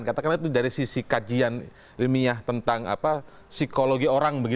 katakanlah itu dari sisi kajian ilmiah tentang psikologi orang